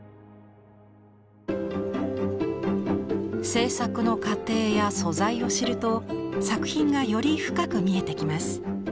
制作の過程や素材を知ると作品がより深く見えてきます。